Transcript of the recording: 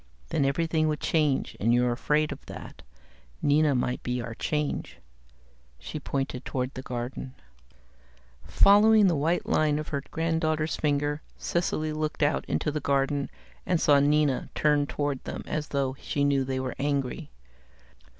Then everything would change, and you're afraid of that. Nina might be our change." She pointed toward the garden. Following the white line of her granddaughter's finger, Cecily looked out into the garden and saw Nina turn toward them as though she knew they were angry.